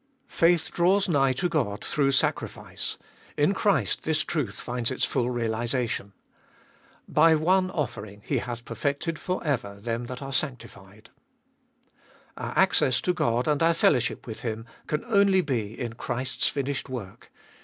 Faith draws nigh to God through sacrifice ; in Christ this truth finds its full realisation. By one offering He hath per fected for ever them that are sanctified. Our access to God and our fellowship with Him can only be in Christ's finished work.